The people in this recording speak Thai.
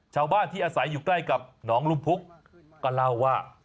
ชาวบ้านที่อาศัยอยู่ใกล้กับหนองลุมพุกก็เล่าว่า